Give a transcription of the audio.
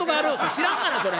「知らんがなそれ！